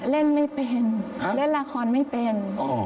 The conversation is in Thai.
เล่นไม่เป็นเล่นละครไม่เป็น